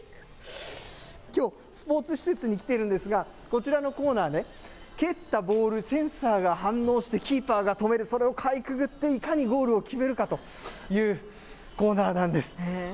きょう、スポーツ施設に来ているんですが、こちらのコーナーね、蹴ったボール、センサーが反応して、キーパーが止める、それをかいくぐって、いかにゴールを決めるかというコーナーなんですね。